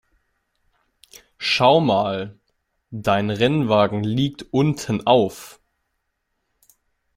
Schau mal, dein Rennwagen liegt unten auf.